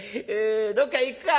どっか行くか？